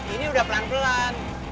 ini udah pelan pelan